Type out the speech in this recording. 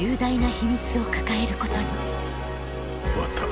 終わった。